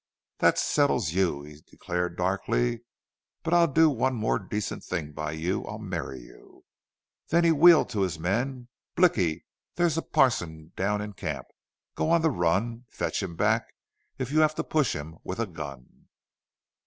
"That settles you," he declared darkly. "But I'll do one more decent thing by you. I'll marry you." Then he wheeled to his men. "Blicky, there's a parson down in camp. Go on the run. Fetch him back if you have to push him with a gun."